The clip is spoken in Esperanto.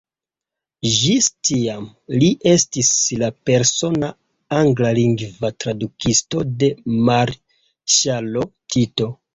Ĝis tiam, li estis la persona anglalingva tradukisto de marŝalo Tito.